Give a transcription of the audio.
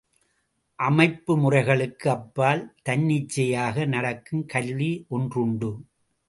அமைப்பு முறைகளுக்கு அப்பால், தன்னிச்சையாக நடக்கும் கல்வி ஒன்றுண்டு.